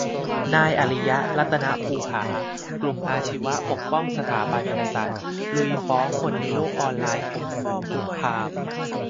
นายอริยะ รัตนภูผา กลุ่มอาชีวะปกป้องสถาบันกษัตริย์ ลุยฟ้องคนในโลกออนไลน์ข่มขู่คุกคาม